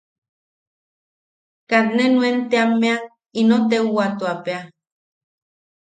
Kat ne nuen teamme eno teuwatuapea.